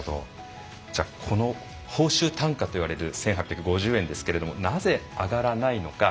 じゃあこの報酬単価といわれる１，８５０円ですけれどもなぜ上がらないのか。